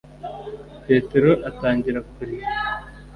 petero atangira kurira.